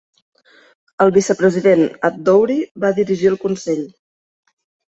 El vicepresident ad-Douri va dirigir el consell.